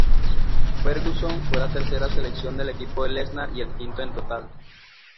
Ferguson fue la tercera selección del equipo de Lesnar y el quinto en total.